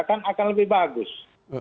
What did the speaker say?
kan akan lebih bagus